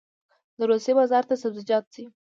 د روسیې بازار ته سبزیجات ځي